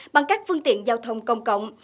bằng các phương tiện giao thông công cộng